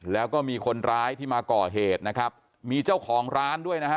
แล้วก็มีคนร้ายที่มาก่อเหตุนะครับมีเจ้าของร้านด้วยนะฮะ